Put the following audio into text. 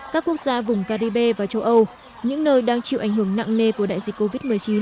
các quốc gia vùng caribe và châu âu những nơi đang chịu ảnh hưởng nặng nề của đại dịch covid một mươi chín